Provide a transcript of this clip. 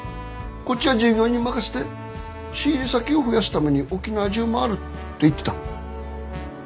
こっちは従業員に任せて仕入れ先を増やすために沖縄中回るって言ってた。